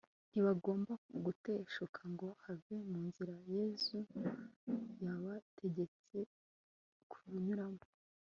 Ntibagomba guteshuka ngo bave mu nzira Yesu yabategetse kunyuramo